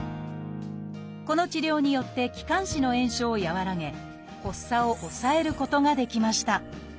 この治療によって気管支の炎症を和らげ発作を抑えることができました。